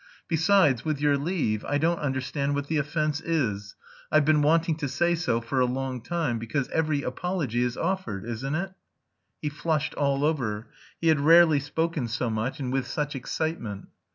Besides, with your leave, I don't understand what the offence is. I've been wanting to say so for a long time... because every apology is offered, isn't it?" He flushed all over. He had rarely spoken so much, and with such excitement.